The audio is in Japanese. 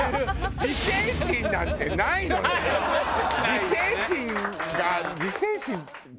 自制心が。